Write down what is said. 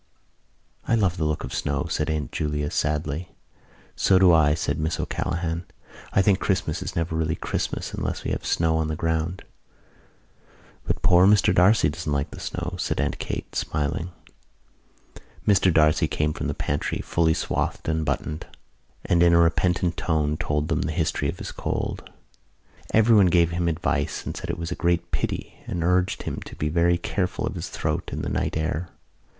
"I love the look of snow," said Aunt Julia sadly. "So do I," said Miss O'Callaghan. "I think Christmas is never really Christmas unless we have the snow on the ground." "But poor Mr D'Arcy doesn't like the snow," said Aunt Kate, smiling. Mr D'Arcy came from the pantry, fully swathed and buttoned, and in a repentant tone told them the history of his cold. Everyone gave him advice and said it was a great pity and urged him to be very careful of his throat in the night air.